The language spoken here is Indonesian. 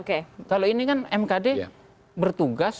kalau ini kan mkd bertugas